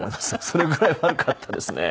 それぐらい悪かったですね。